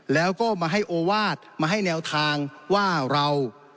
แล้วก็มาให้โอวาสมาให้แนวทางว่าเรา